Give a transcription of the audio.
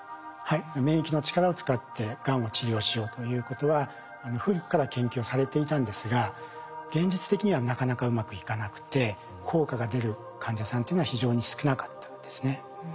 免疫の力を使ってがんを治療しようということは古くから研究されていたんですが現実的にはなかなかうまくいかなくて効果が出る患者さんというのは非常に少なかったんですね。